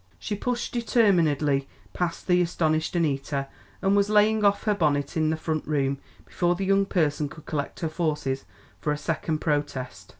She pushed determinedly past the astonished Annita, and was laying off her bonnet in the front room before that young person could collect her forces for a second protest.